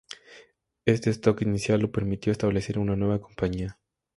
Este stock inicial le permitió establecer una nueva compañía.